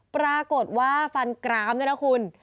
ปรากฏว่าฟันกรามด้วยนะคุณ